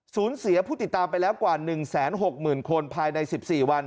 สูญเสียผู้ติดตามไปแล้วกว่า๑๖๐๐๐คนภายใน๑๔วัน